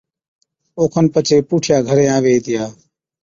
اوکن پڇي پُوٺِيا گھرين آوي ھِتيا۔